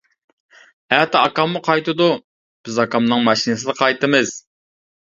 ئەتە ئاكاممۇ قايتىدۇ، بىز ئاكامنىڭ ماشىنىسىدا قايتىمىز.